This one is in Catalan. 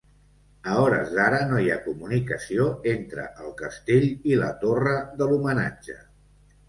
A hores d'ara, no hi ha comunicació entre el castell i la torre de l'homenatge.